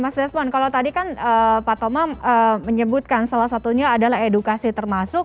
mas desmond kalau tadi kan pak toma menyebutkan salah satunya adalah edukasi termasuk